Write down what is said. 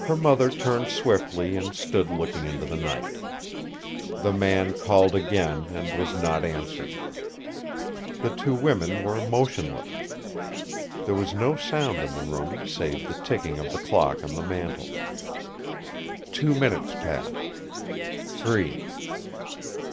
Her mother turned swiftly and stood looking into the night. The man called again and was not answered. The two women were motionless. There was no sound in the room, save the ticking of the clock on the mantel. Two minutes passed three.